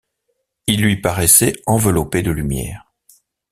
Il lui paraissait enveloppé de lumière.